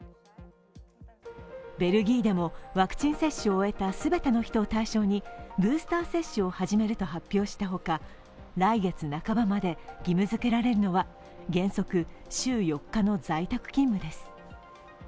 ベルギーでも、ワクチン接種を終えた全ての人を対象にブースター接種を始めると発表したほか来月半ばまで義務づけられるのは原則週４日の在宅勤務です。